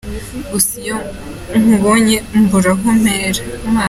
Gusa iyo nkubonye mbura aho mpera.